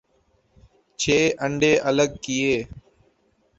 چھ انڈے الگ کئے ۔